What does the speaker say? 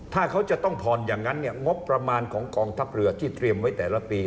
ถ้าเขาจะต้องผ่อนอย่างนั้นเนี่ยงบประมาณของกองทัพเรือที่เตรียมไว้แต่ละปี